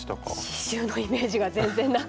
刺しゅうのイメージが全然なくて。